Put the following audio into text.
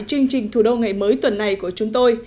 chương trình thủ đô ngày mới tuần này của chúng tôi